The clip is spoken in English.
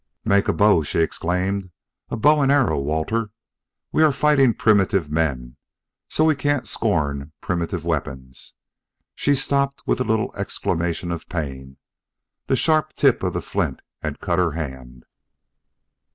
"Make a bow!" she exclaimed. "A bow and arrow, Walter! We are fighting primitive men, so we can't scorn primitive weapons." She stopped with a little exclamation of pain; the sharp tip of the flint had cut her hand.